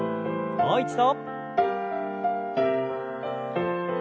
もう一度。